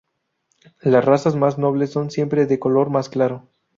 Las razas más nobles son siempre de color más claro.